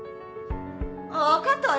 分かったわよ。